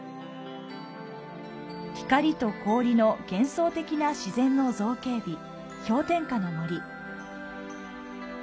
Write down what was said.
光と氷の幻想的な自然の造形美、氷点下の森。